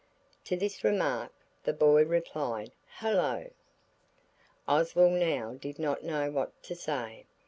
To this remark the boy replied, "Hullo!" Oswald now did not know what to say.